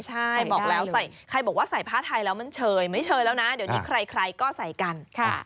ใช่บอกแล้วใครบอกว่าใส่ผ้าไทยแล้วมันเชยไม่เชยแล้วนะเดี๋ยวนี้ใครก็ใส่กัน